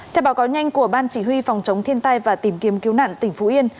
theo báo cáo nhanh của ban chỉ huy phòng chống thiên tai và tìm kiếm cứu nạn tỉnh phú yên